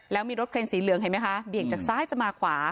แล้วมีรถเครนสีเหลืองเห็นไหมคะเบี่ยงจากซ้ายจะมาขวา